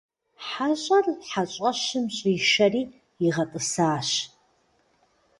ХьэщӀэр хьэщӀэщым щӀишэри игъэтӀысащ.